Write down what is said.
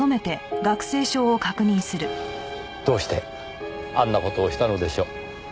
どうしてあんな事をしたのでしょう？